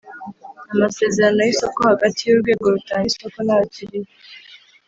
Amasezerano y’isoko hagati y’urwego rutanga isoko n’abakiriya